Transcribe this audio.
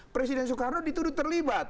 presiden soekarno dituduh terlibat